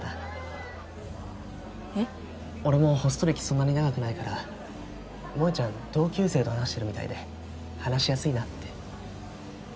そんなに長くないから萌ちゃん同級生と話してるみたいで話しやすいなって。